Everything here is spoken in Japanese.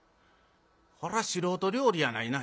こら素人料理やないな。